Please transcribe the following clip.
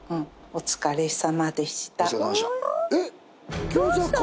お疲れさまでした。